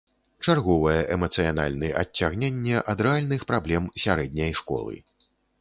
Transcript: Чарговае эмацыянальны адцягненне ад рэальных праблем сярэдняй школы.